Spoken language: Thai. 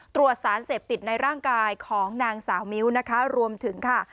ตรวจสารเสพติดในร่างกายของนางสาวมิ้วนะคะรวมถึงค่ะ